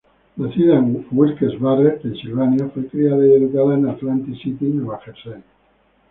Nacida en Wilkes-Barre, Pennsylvania, fue criada y educada en Atlantic City, Nueva Jersey.